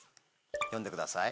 読んでください。